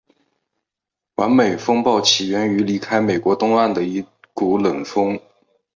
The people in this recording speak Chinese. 完美风暴起源于离开美国东岸的一股冷锋。